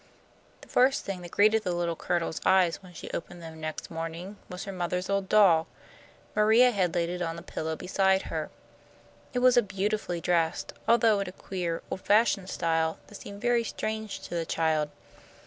The first thing that greeted the Little Colonel's eyes when she opened them next morning was her mother's old doll. Maria had laid it on the pillow beside her. It was beautifully dressed, although in a queer, old fashioned style that seemed very strange to the child.